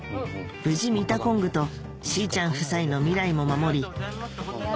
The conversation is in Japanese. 無事ミタコングとしーちゃん夫妻の未来も守りごちそうさまです。